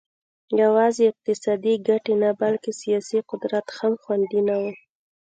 یوازې اقتصادي ګټې نه بلکې سیاسي قدرت هم خوندي نه و